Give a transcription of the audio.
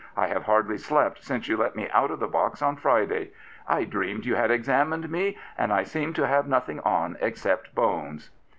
I have hardly slept since you let me out of the box on Friday. I dreamed you had examined me and I seemed to have nothing on except bones."